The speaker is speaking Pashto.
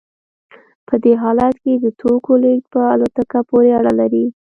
په دې حالت کې د توکو لیږد په الوتکه پورې اړه لري